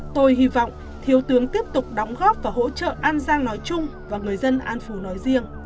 tôi hy vọng thiếu tướng tiếp tục đóng góp và hỗ trợ an giang nói chung